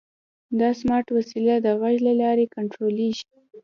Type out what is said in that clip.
دا سمارټ وسیله د غږ له لارې کنټرولېږي.